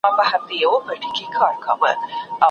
انلاین زده کړې د زده کوونکو خلاقیت زیاتوي.